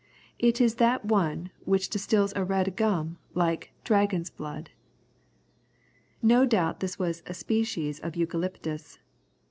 It is that one which distils a red gum like 'Dragon's blood.'" No doubt this was a species of Eucalyptus.